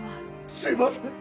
すいません！